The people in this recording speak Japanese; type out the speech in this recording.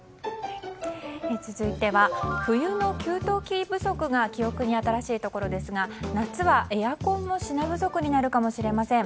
続いては、冬の給湯器不足が記憶に新しいところですが夏はエアコンが品不足になるかもしれません。